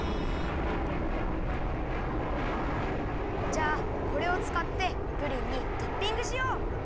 じゃあこれをつかってプリンにトッピングしよう！